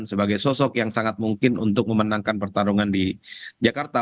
sebagai sosok yang sangat mungkin untuk memenangkan pertarungan di jakarta